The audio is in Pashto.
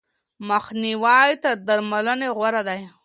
مخنیوی تر درملنې غوره دی.